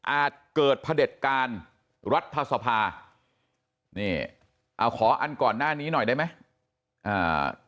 อาจเกิดพระเด็จการรัฐภาษภาขออันก่อนหน้านี้หน่อยได้ไหม